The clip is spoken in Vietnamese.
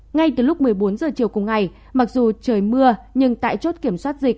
ngay từ lúc một mươi bốn h chiều cùng ngày mặc dù trời mưa nhưng tại chốt kiểm soát dịch